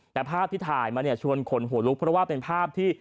แต่ภาพที่ถ่ายมาเนี่ยชวนขนหัวลุกเพราะว่าเป็นภาพที่